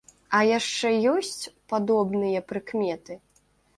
А яшчэ ёсць падобныя прыкметы?